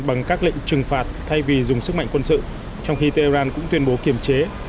bằng các lệnh trừng phạt thay vì dùng sức mạnh quân sự trong khi tehran cũng tuyên bố kiểm chế